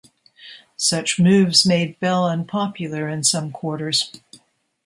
Such moves made Bell unpopular in some quarters.